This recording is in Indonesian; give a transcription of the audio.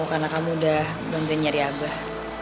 karena kamu udah ganteng nyari abah